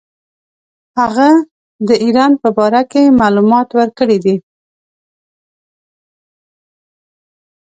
هغه د ایران په باره کې معلومات ورکړي دي.